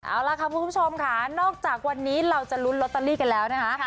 เอาล่ะค่ะคุณผู้ชมค่ะนอกจากวันนี้เราจะลุ้นลอตเตอรี่กันแล้วนะคะ